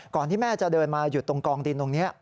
ก่อนที่แม่จะเดินมาอยู่ตรงกลองดินตรงนี้